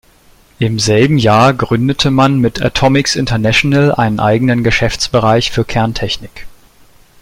Im selben Jahr gründete man mit Atomics International einen eigenen Geschäftsbereich für Kerntechnik.